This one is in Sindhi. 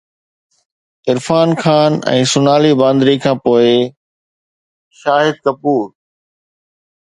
عرفان خان ۽ سونالي بيندري کان پوءِ، شاهد ڪپور